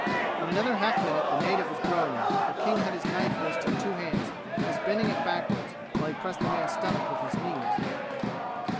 In another half minute the native was groaning, for King had his knife wrist in two hands and was bending it backward while he pressed the man's stomach with his knees.